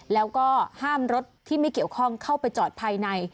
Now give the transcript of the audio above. แล้วก็ห้ามรถที่ไม่เกี่ยวข้องเข้าไปจอดภายใน